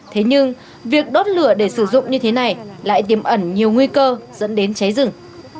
thế nhưng việc đốt lửa để sử dụng như thế này lại tiêm ẩn nhiều nguy cơ dẫn đến cháy rừng